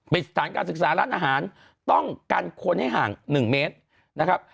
สถานการศึกษาร้านอาหารต้องกันคนให้ห่าง๑เมตรนะครับ